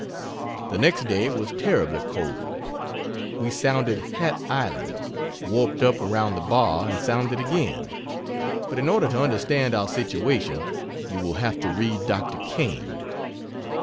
The next day was terribly cold. We sounded Hat Island, warped up around a bar and sounded again but in order to understand our situation you will have to read Dr. Kane.